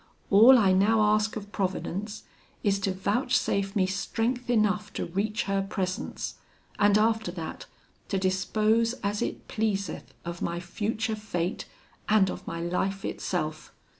All I now ask of Providence is, to vouchsafe me strength enough to reach her presence, and after that, to dispose as it pleaseth of my future fate, and of my life itself.